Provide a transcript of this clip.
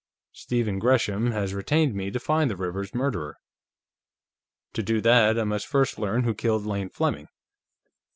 Stephen Gresham has retained me to find the Rivers murderer; to do that, I must first learn who killed Lane Fleming.